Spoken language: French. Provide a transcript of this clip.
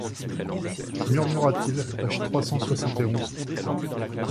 murmura-t-il page trois cent soixante et onze.